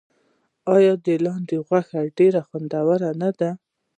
آیا د لاندي غوښه ډیره خوندوره نه وي؟